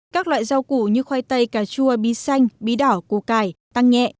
các loại rau củ như khoai tây cà chua bì xanh bì đỏ củ cải tăng nhẹ